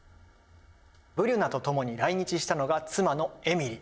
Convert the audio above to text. ブリュナとともに来日したのが妻のエミリ。